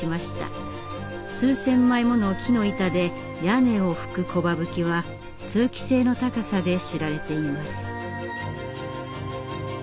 数千枚もの木の板で屋根をふく「木羽葺」は通気性の高さで知られています。